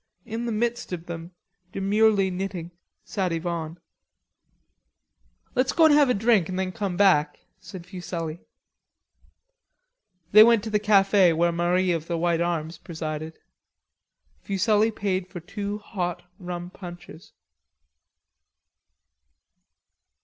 In the midst of them, demurely knitting, sat Yvonne. "Let's go and have a drink an' then come back," said Fuselli. They went to the cafe where Marie of the white arms presided. Fuselli paid for two hot rum punches.